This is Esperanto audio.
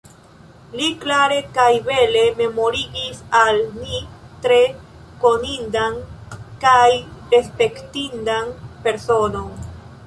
Li klare kaj bele memorigis al ni tre konindan kaj respektindan personon.